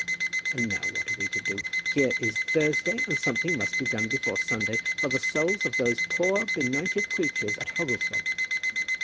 And now what are we to do? Here is Thursday, and something must be done before Sunday for the souls of those poor benighted creatures at Hogglestock."